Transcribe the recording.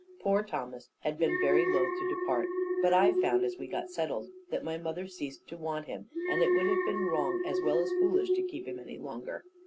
Poor Thomas had been very loth to depart; but I found, as we got settled, that my mother ceased to want him, and it would have been wrong as well as foolish to keep him any longer.